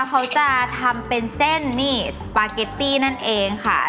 เขาจะทำเป็นเส้นนี่สปาเกตตี้นั่นเองค่ะ